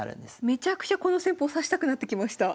めちゃくちゃこの戦法指したくなってきました。